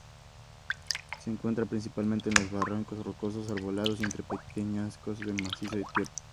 Se encuentra principalmente en los barrancos rocosos arbolados y entre peñascos del macizo etíope.